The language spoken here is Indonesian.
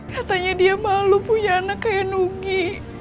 katanya dia malu punya anak kayak nugi